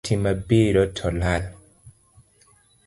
Sitima biro to lal